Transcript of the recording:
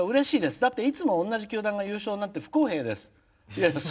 だって、いつも同じ球団が優勝なんて不公平です」。